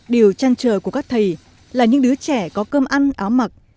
điều trăn trời của các thầy là những đứa trẻ có cơm ăn áo mặc